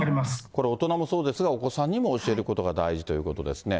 これ、大人もそうですが、お子さんにも教えることが大事ということですね。